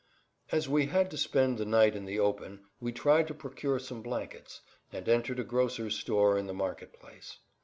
As we had to spend the night in the open we tried to procure some blankets, and entered a grocer's store in the market place.